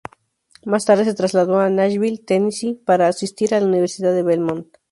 Más tarde se trasladó a Nashville, Tennessee para asistir a la Universidad de Belmont.